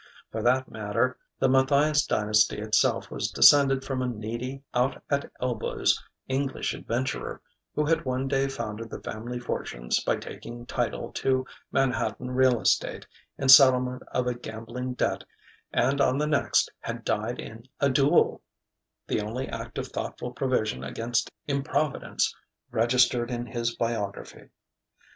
For that matter, the Matthias dynasty itself was descended from a needy, out at elbows English adventurer who had one day founded the family fortunes by taking title to Manhattan real estate in settlement of a gambling debt and on the next had died in a duel the only act of thoughtful provision against improvidence registered in his biography.